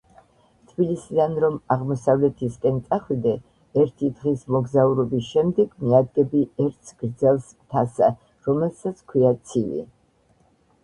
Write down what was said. თბილისიდან რომ აღმოსავლეთისკენ წახვიდე, ერთიდღის მოგზაურობის შემდეგ მიადგები ერთს გრძელსმთასა, რომელსაც ჰქვია ცივი.